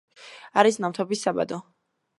არის ნავთობის საბადო.